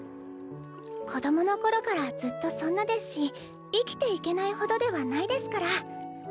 子どもの頃からずっとそんなですし生きていけないほどではないですから。